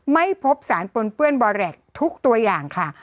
ไม่พบสารปนเปื้อนบอแรกทุกตัวอย่างค่ะ